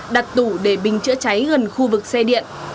đặt tủ để bình chữa cháy gần khu vực xe điện